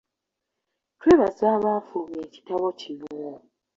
Twebaza abaafulumya ekitabo kino.